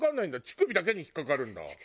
乳首だけに引っかかるんだ。